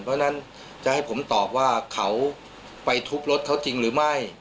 เพราะฉะนั้นจะให้ผมตอบว่าเขาไปทุบรถเขาจริงหรือไม่